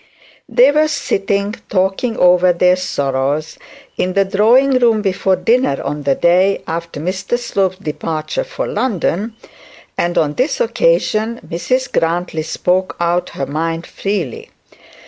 They were sitting talking over their sorrows, in the drawing room before dinner on that day after Mr Slope's departure for London; and on this occasion Mrs Grantly spoke her mind freely.